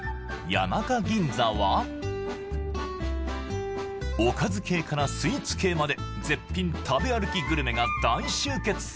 谷中ぎんざはおかず系からスイーツ系まで絶品食べ歩きグルメが大集結！